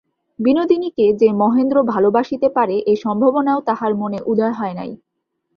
বিনোদিনীকে যে মহেন্দ্র ভালোবাসিতে পারে, এ সম্ভাবনাও তাহার মনে উদয় হয় নাই।